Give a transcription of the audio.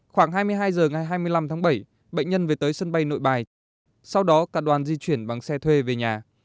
khoảng hai mươi hai h ngày hai mươi năm tháng bảy bệnh nhân về tới sân bay nội bài sau đó cả đoàn di chuyển bằng xe thuê về nhà